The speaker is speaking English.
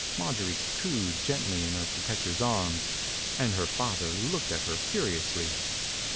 Marjorie cooed gently in her protector's arms, and her father looked at her curiously.